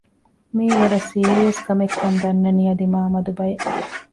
މިއީ ވަރަށް ސީރިއަސް ކަމެއް ކަން ދަންނަނީ އަދި މާ މަދު ބަޔެއް